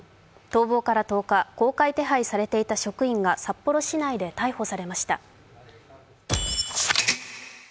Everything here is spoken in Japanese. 逃亡から１０日、公開手配されていた職員が札幌市内で逮捕されました。